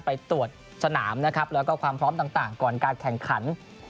ไปตรวจสนามนะครับแล้วก็ความพร้อมต่างก่อนการแข่งขัน